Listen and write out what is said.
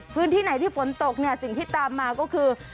พื้นที่ไหนที่ฝนตกเนี่ยสิ่งที่ตามมาก็คือ